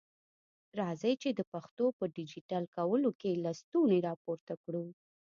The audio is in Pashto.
راځئ چي د پښتو په ډيجيټل کولو کي لستوڼي را پورته کړو.